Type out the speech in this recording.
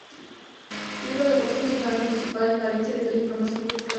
Miembro del "Consejo Ciudadano Municipal" en Valencia, desde la formación política "Podemos".